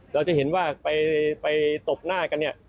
เราจะเห็นว่าไปตบหน้ากันเนี่ย